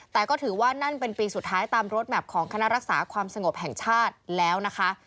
แต่ก็ถือว่านั่นเป็นปีสุดท้ายตามรถแมพของคณะรักษาความสงบแห่งชาติแล้วนะคะ